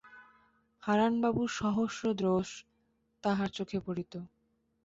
হারানবাবুর সহস্র দোষ তাঁহার চোখে পড়িত।